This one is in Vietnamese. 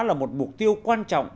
là một mục tiêu quan trọng